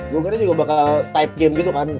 gue keren juga bakal type game gitu kan